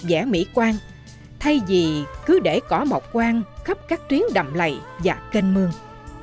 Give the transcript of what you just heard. vẻ mỹ quan thay vì cứ để cỏ mọc quan khắp các chuyến đầm lầy và kênh mương